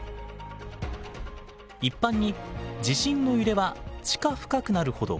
一般に地震の揺れは地下深くなるほど小さくなります。